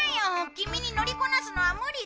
キミにのりこなすのは無理だ。